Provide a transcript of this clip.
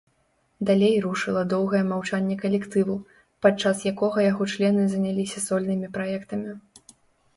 Далей рушыла доўгае маўчанне калектыву, падчас якога яго члены заняліся сольнымі праектамі.